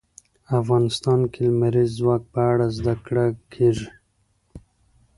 افغانستان کې د لمریز ځواک په اړه زده کړه کېږي.